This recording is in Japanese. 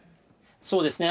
そうですね。